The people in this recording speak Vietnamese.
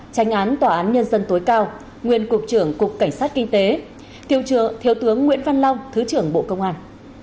tranh án tòa án nhân dân tối cao nguyên cục trưởng cục cảnh sát kinh tế kiều tướng nguyễn văn long thứ trưởng bộ công an